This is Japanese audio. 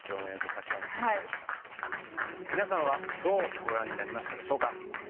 皆さんはどうご覧になりましたでしょうか。